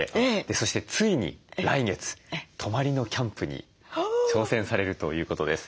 そしてついに来月泊まりのキャンプに挑戦されるということです。